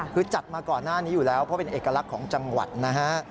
คือจัดมาก่อนหน้านี้อยู่แล้วเพราะเป็นเอกลักษณ์ของจังหวัดนะฮะ